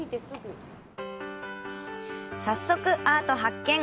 早速、アート発見！